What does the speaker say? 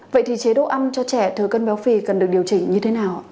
vậy thì chế độ ăn cho trẻ thừa cân béo phì cần được điều chỉnh như thế nào